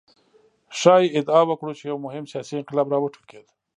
ښايي ادعا وکړو چې یو مهم سیاسي انقلاب راوټوکېد.